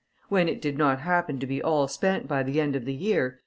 When it did not happen to be all spent by the end of the year, M.